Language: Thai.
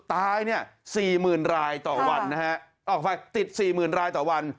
ตายเนี่ยสี่หมื่นรายต่อวันนะฮะออกไปติด๔๐๐๐รายต่อวัน